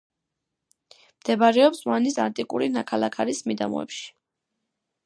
მდებარეობს ვანის ანტიკური ნაქალაქარის მიდამოებში.